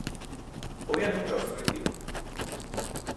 Poi annunciò il suo ritiro.